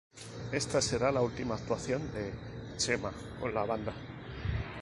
Esta será la última actuación de Txema con la banda.